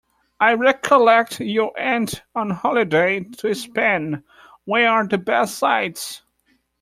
I recollect you went on holiday to Spain, where are the best sights?